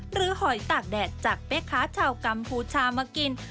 หอยตากแดดจากแม่ค้าชาวกัมพูชามากิน